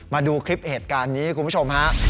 มาดูคลิปเหตุการณ์นี้คุณผู้ชมฮะ